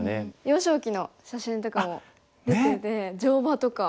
幼少期の写真とかも出てて乗馬とか。